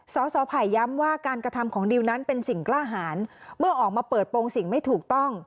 สสไผ่ย้ำว่าการกระทำของดิวนั้นเป็นสิ่งกล้าหารเมื่อออกมาเปิดโปรงสิ่งไม่ถูกต้อง